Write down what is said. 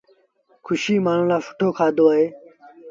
کُشي مآڻهوٚݩ لآ سُٺو کآڌو اهي۔